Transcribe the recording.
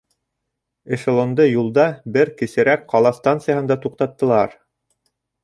Эшелонды юлда бер кесерәк ҡала станцияһында туҡтаттылар.